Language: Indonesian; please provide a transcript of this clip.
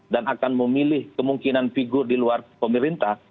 dan akan memilih kemungkinan figur di luar pemerintah